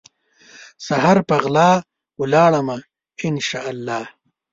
سحر په غلا راوړمه ، ان شا الله